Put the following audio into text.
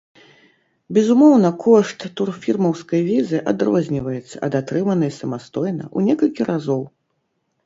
Безумоўна, кошт турфірмаўскай візы адрозніваецца ад атрыманай самастойна ў некалькі разоў.